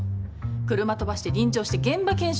車飛ばして臨場して現場検証してたの。